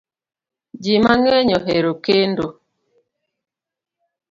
Ji mang'eny ohero kendo